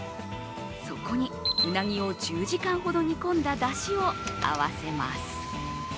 そこに、うなぎを１０時間ほど煮込んだだしを合わせます。